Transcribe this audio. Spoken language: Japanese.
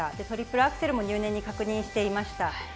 トリプルアクセルも入念に確認していました。